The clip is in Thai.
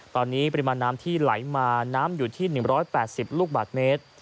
ตอนนี้ปริมาณน้ำที่ไหลมาน้ำอยู่ที่๑๘๐ลูกบาทเมตร